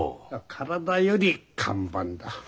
体より看板だ。